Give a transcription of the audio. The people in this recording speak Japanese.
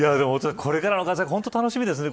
これからの活躍が本当に楽しみですね。